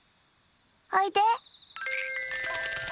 おいで。